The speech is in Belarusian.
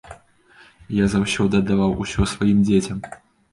Я заўсёды аддаваў усё сваім дзецям.